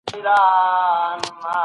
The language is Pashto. د وینې ګروپونه د ناروغانو لپاره اړین دي.